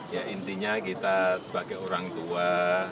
ya intinya kita sebagai orang tua